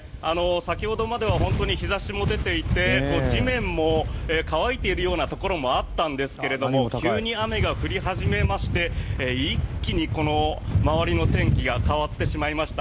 先ほどまでは本当に日差しも出ていて地面も乾いているようなところもあったんですけども急に雨が降り始めまして一気に周りの天気が変わってしまいました。